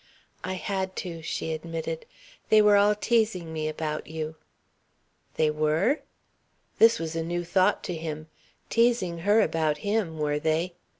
"I had to," she admitted. "They were all teasing me about you." "They were?" This was a new thought to him. Teasing her about him, were they?